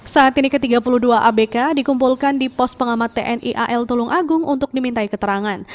saat ini ke tiga puluh dua abk dikumpulkan di pos pengamat tni al tulung agung untuk dimintai keterangan